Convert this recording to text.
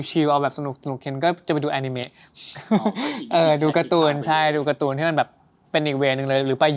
ใช่ชอบดูแล้วให้คิดมากกว่า